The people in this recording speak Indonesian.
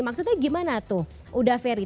maksudnya gimana tuh udah ferry